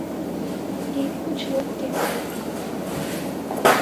کہ ’کچھ لوگ کیسے